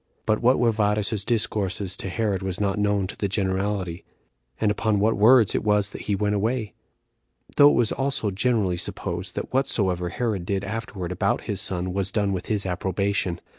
But what were Varus's discourses to Herod was not known to the generality, and upon what words it was that he went away; though it was also generally supposed that whatsoever Herod did afterward about his son was done with his approbation.